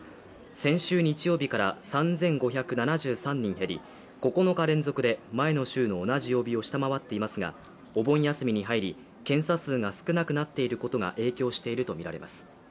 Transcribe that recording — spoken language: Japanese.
先週日曜日から３５７３人減り９日連続で前の週の同じ曜日を下回っていますが、お盆休みに入り検査数が少なくなっていることが影響しているとみられます。